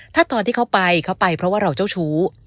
ถ้าตอนที่เขาไปเขาไปเพราะว่าเราเจ้าชู้